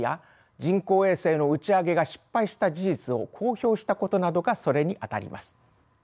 人工衛星の打ち上げが失敗した事実を公表したことなどがそれにあたります。